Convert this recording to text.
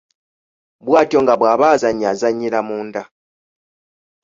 Bwatyo nga bw’aba azannya azannyira munda.